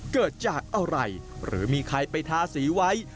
เกิดจากอะไรหรือมีใครไปทาสีไว้